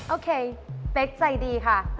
โอเคเป๊กใจดีค่ะ